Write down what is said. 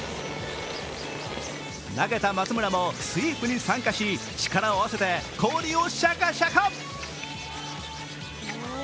投げた松村もスイープに参加し力を合わせて氷をシャカシャカ。